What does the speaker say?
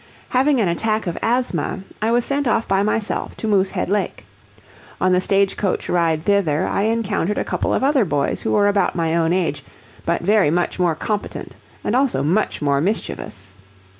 Having an attack of asthma, I was sent off by myself to Moosehead Lake. On the stage coach ride thither I encountered a couple of other boys who were about my own age, but very much more competent and also much more mischievous.